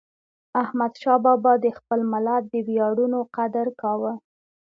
احمدشاه بابا د خپل ملت د ویاړونو قدر کاوه.